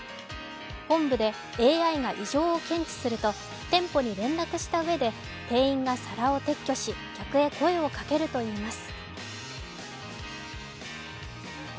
本部でＡＩが異常を検知すると店舗に連絡したうえで店員が皿を撤去し、客へ声をかけるといいます。